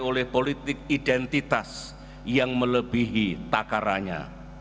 oleh politik identitas yang melebihi takaranya